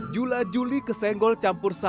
jula juli kesenggol campurkan